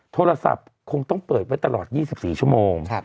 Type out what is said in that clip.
โทรศัพท์คงต้องเปิดไว้ตลอด๒๔ชั่วโมง